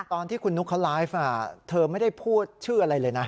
ตอนที่คุณนุ๊กเขาไลฟ์เธอไม่ได้พูดชื่ออะไรเลยนะ